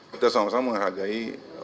kita sama sama menghargai